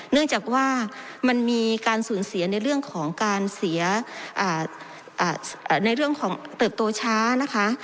เนื่องจากว่ามันมีการสูญเสียในเรื่องของการเสียในเรื่องของเติบโตช้านะคะ